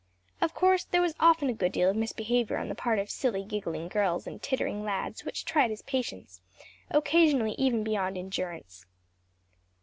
Of course there was often a good deal of misbehavior on the part of silly, giggling girls and tittering lads which tried his patience, occasionally even beyond endurance.